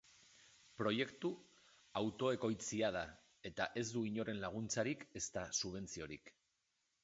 Proiektu autoekoitzia da eta ez dut inoren laguntzarik ezta subentziorik.